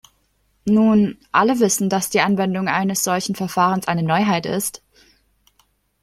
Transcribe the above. Nun, alle wissen, dass die Anwendung eines solchen Verfahrens eine Neuheit ist.